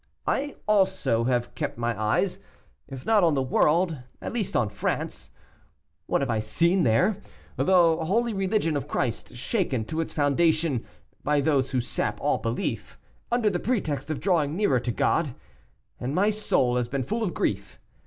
I also have kept my eyes, if not on the world, at least on France. What have I seen there? The holy religion of Christ shaken to its foundation by those who sap all belief, under the pretext of drawing nearer to God, and my soul has been full of grief.